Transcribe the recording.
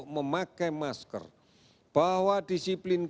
karena ada jumlah teman teman makam lalu di sini ise signed up